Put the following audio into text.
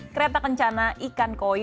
kereta kencana ikan koi